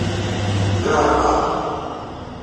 Derreɛ ṭṭaq!